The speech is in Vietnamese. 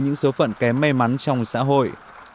những số phận kém may mắn trong xã hội